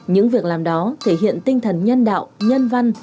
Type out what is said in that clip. những việc làm đó thể hiện tinh thần nhân đạo nhân văn